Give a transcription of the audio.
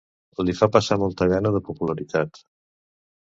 Li fa passar molta gana de popularitat.